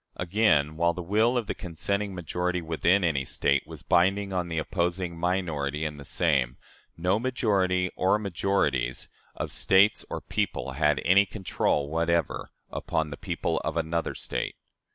Again, while the will of the consenting majority within any State was binding on the opposing minority in the same, no majority, or majorities, of States or people had any control whatever upon the people of another State.